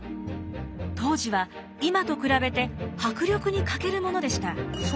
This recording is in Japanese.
当時は今と比べて迫力に欠けるものでした。